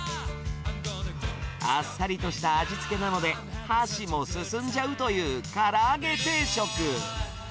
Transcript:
あっさりとした味付けなので、箸も進んじゃうという、から揚げ定食。